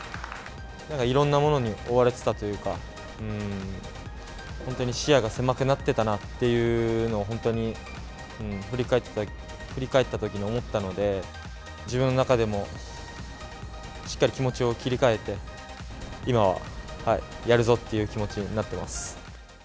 いろんなものに追われてたというか、本当に視野が狭くなってたなっていうのを本当に振り返ったときに思ったので、自分の中でも、しっかり気持ちを切り替えて、今はやるぞっていう気持ちになってます。